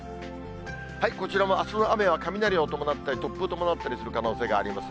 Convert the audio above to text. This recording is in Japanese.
こちらもあすの雨は雷を伴ったり、突風を伴ったりする可能性があります。